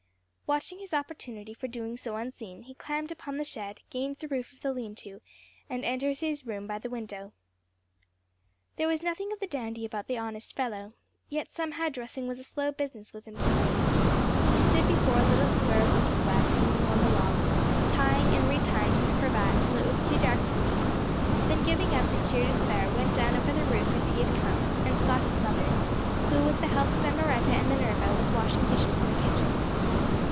Watching his opportunity for doing so unseen, he climbed upon the shed, gained the roof of the leanto, and entered his room by the window. There was nothing of the dandy about the honest fellow, yet somehow dressing was a slow business with him to night; he stood before a little square of looking glass hanging on the wall, tying and retying his cravat till it was too dark to see, then giving up in sheer despair went down over the roof as he had come, and sought his mother, who, with the help of Emmaretta and Minerva, was washing dishes in the kitchen.